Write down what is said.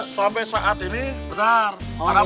sampai saat ini benar